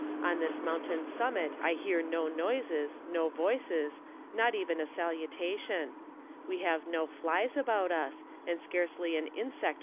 On this mountain summit I hear no noises, no voices, not even of salutation ; we have no flies about us, and scarcely an insect or reptile.